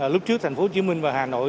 lúc trước thành phố hồ chí minh và hà nội